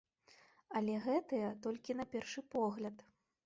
Але гэтая толькі на першы погляд.